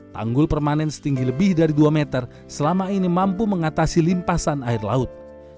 tanggul permanen setinggi lebih dari dua meter selama ini mampu mengatasi limpasan air laut